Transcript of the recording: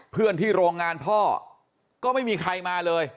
เพื่อนที่โรงงานพ่อก็ไม่มีใครมาเลย